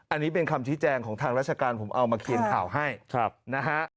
อันนี้เป็นคำชี้แจงของทางราชการผมเอามาเขียนข่าวให้นะฮะ